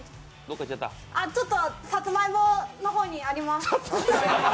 あ、ちょっとさつまいもの方にあります。